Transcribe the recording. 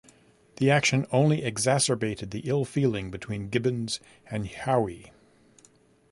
This action only exacerbated the ill-feeling between Gibbons and Haughey.